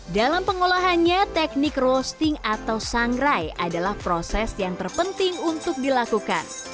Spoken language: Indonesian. dalam pengolahannya teknik roasting atau sangrai adalah proses yang terpenting untuk dilakukan